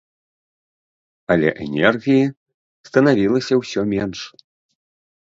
Але энергіі станавілася ўсё менш.